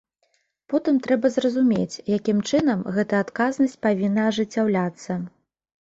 Потым трэба зразумець, якім чынам гэта адказнасць павінна ажыццяўляцца.